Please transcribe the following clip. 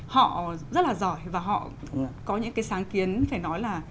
họ rất là giỏi và họ có những cái sáng kiến phải nói là